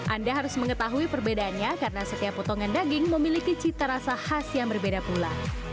anda harus mengetahui perbedaannya karena setiap potongan daging memiliki cita rasa khas yang berbeda pula